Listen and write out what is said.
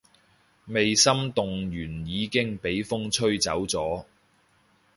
未心動完已經畀風吹走咗